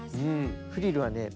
フリルはね